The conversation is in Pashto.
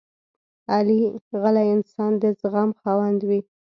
غلی انسان، د زغم خاوند وي.